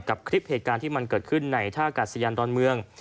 คลิปเหตุการณ์ที่มันเกิดขึ้นในท่ากาศยานดอนเมือง